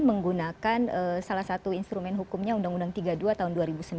menggunakan salah satu instrumen hukumnya undang undang tiga puluh dua tahun dua ribu sembilan